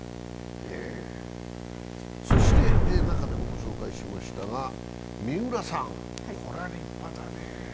そして中でもご紹介しましたが三浦さん、これは立派だね。